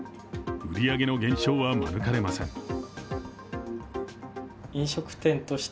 売り上げの減少は免れません。